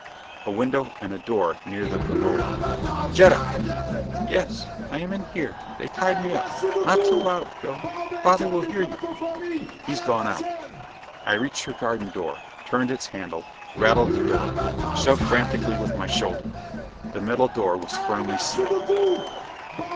A window and a door near the pergola. "Jetta!" "Yes. I am in here. They tied me up. Not so loud, Phil: father will hear you." "He's gone out." I reached her garden door. Turned its handle. Rattled the door. Shoved frantically with my shoulder! The metal door was firmly sealed!